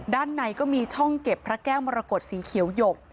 ด้านในก็มีช่องเก็บพระแก้วมรกฏสีเขียวหยก